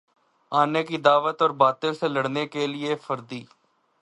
آنے کی دعوت اور باطل سے لڑنے کے لیے فردی